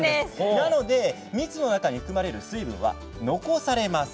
なので蜜の中に含まれる水分は残されます。